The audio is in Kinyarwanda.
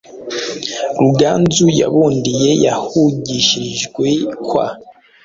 Ruganzu yabundiye yahugishirijwe kwa